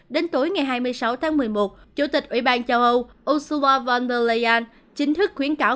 đến tối ngày hai mươi sáu tháng một mươi một chủ tịch ủy ban châu âu ursula von der leyen chính thức khuyến cáo